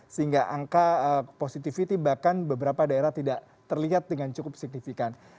sehingga angka positivity bahkan beberapa daerah tidak terlihat dengan cukup signifikan